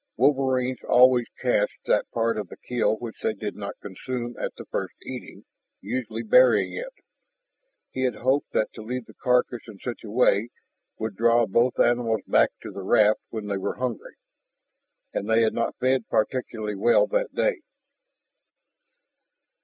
Wolverines always cached that part of the kill which they did not consume at the first eating, usually burying it. He had hoped that to leave the carcass in such a way would draw both animals back to the raft when they were hungry. And they had not fed particularly well that day.